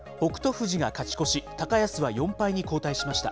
富士が勝ち越し、高安は４敗に後退しました。